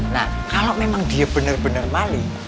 nah kalau dia bener bener malik